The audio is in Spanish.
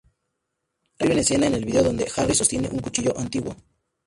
Hay una escena en el vídeo donde Harris sostiene un cuchillo antiguo.